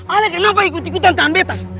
ale kenapa ikut ikutan tahan betta